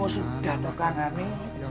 sudah toh kak hamid